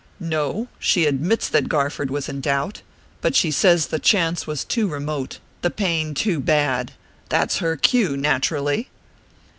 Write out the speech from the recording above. "No. She admits that Garford was in doubt. But she says the chance was too remote the pain too bad...that's her cue, naturally!"